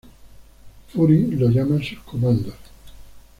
Fury los llama sus "Comandos".